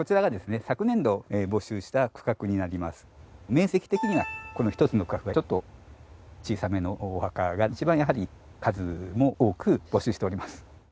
面積的にはこの一つの区画ちょっと小さめのお墓が一番やはり数も多く募集しております。